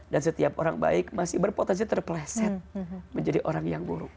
dan setiap orang baik masih berpotensi terpleset menjadi orang yang buruk